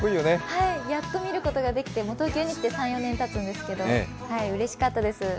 やっと見ることができて、東京に来て３４年たつんですけどうれしかったです。